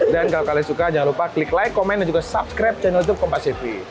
dan kalau kalian suka jangan lupa klik like komen dan juga subscribe channel youtube kompas sivy